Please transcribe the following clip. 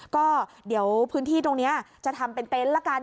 ก็เดี๋ยวพื้นที่ตรงนี้จะทำเป็นเต็นต์ละกัน